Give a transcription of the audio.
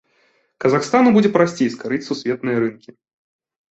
Казахстану будзе прасцей скарыць сусветныя рынкі.